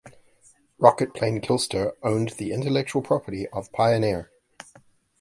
Rocketplane Kistler owned the intellectual property of Pioneer.